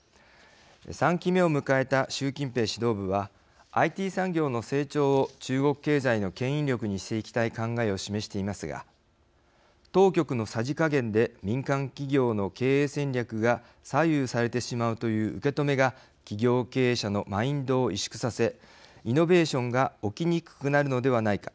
３期目を迎えた習近平指導部はＩＴ産業の成長を中国経済のけん引力にしていきたい考えを示していますが当局のさじ加減で民間企業の経営戦略が左右されてしまうという受け止めが企業経営者のマインドを萎縮させイノベーションが起きにくくなるのではないか。